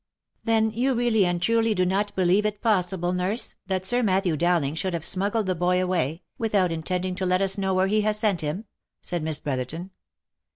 " Then you really and truly do not believe it possible, nurse, that Sir Matthew Dowling should have smuggled the boy away, without intending to let us know where he has sent him?" said Miss Bro therton.